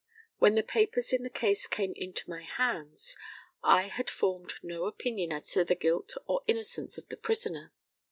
When the papers in the case came into my hands, I had formed no opinion as to the guilt or innocence of the prisoner.